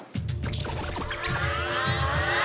๑ครับ